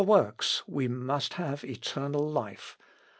Before works we must have eternal life.